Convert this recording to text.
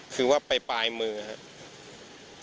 คือว่าไปปลายมือครับ